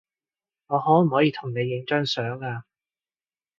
我可唔可以同你影張相呀